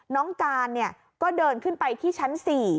น้องการก็เดินขึ้นไปที่ชั้น๔